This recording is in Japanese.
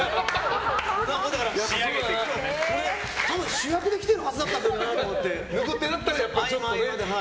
主役で来てるはずだったのになと思って。